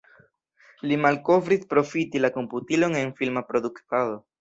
Li malkovris profiti la komputilon en filma produktado.